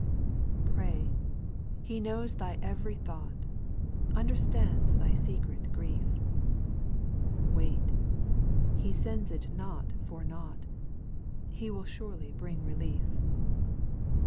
' 3. ( Pray, He knows thy ev'ry thought — Understands thy secret grief; Wait, — He sends it not for nought, He will surely bring relief.